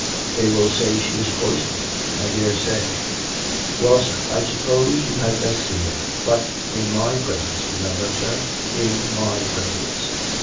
They will say she is poisoned, I dare say. ... Well, sir; I suppose you had best see her; but in my presence, re member, sir; in my presence."